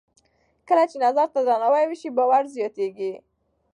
کله چې نظر ته درناوی وشي، باور زیاتېږي.